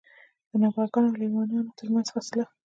د نابغه ګانو او لېونیانو ترمنځ فاصله.